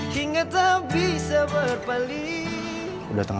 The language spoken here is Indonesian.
hingga tak bisa berpaling